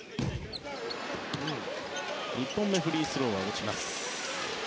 １本目のフリースローは落ちました。